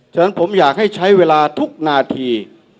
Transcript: ฉะนั้นผมอยากให้ใช้เวลาทุกนาที